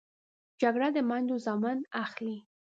جګړه د میندو زامن اخلي